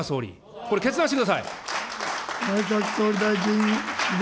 これ決断してください。